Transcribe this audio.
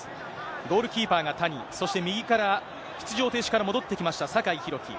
ゴールキーパーが谷、そして右から出場停止から戻ってきました、酒井宏樹。